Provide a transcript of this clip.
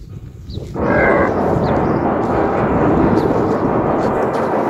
La commune est parfois dénommée Loc-Éguiner-Ploudiry pour la différencier de Loc-Éguiner-Saint-Thégonnec.